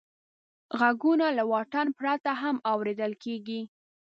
غږونه له واټن پرته هم اورېدل کېږي.